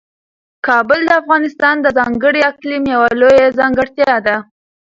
کابل د افغانستان د ځانګړي اقلیم یوه لویه ځانګړتیا ده.